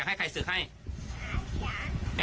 คุณผู้ชมเอ็นดูท่านอ่ะ